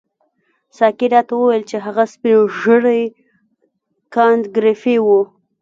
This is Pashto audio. ساقي راته وویل چې هغه سپین ږیری کانت ګریفي وو.